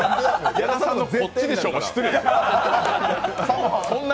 矢田さんの「こっちでしょ」も失礼でしょ。